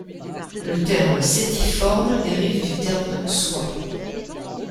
Le terme sétiforme dérive du terme soie.